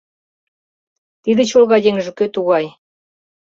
Тиде чолга еҥже кӧ тугай?